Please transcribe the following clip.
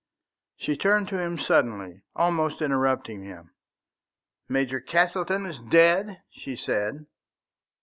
She turned to him suddenly, almost interrupting him. "Major Castleton is dead?" she said.